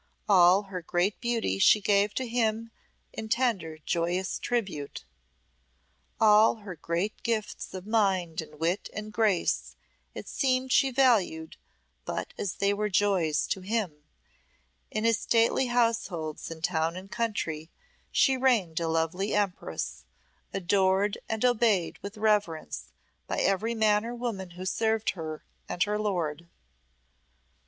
All her great beauty she gave to him in tender, joyous tribute; all her great gifts of mind and wit and grace it seemed she valued but as they were joys to him; in his stately households in town and country she reigned a lovely empress, adored and obeyed with reverence by every man or woman who served her and her lord.